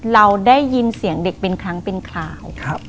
เราได้ยินเสียงเด็กเป็นครั้งเป็นคราว